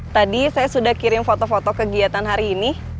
tadi saya sudah kirim foto foto kegiatan hari ini